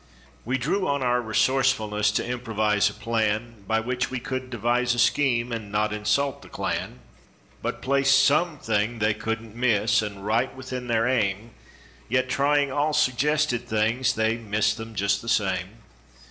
32 We drew on our resourcefulness to improvise a plan By which we could devise a scheme and not insult the clan, But place some thing they couldn't miss and right within their aim, Yet trying all suggested things, they missed them just the same.